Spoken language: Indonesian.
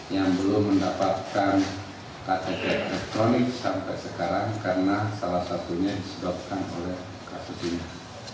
yang belum mendapatkan ktp elektronik sampai sekarang karena salah satunya disebabkan oleh kasus ini